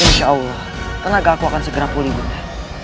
insya allah tenaga aku akan segera pulih buddha